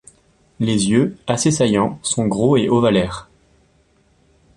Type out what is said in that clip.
Les yeux, assez saillants, sont gros et ovalaires.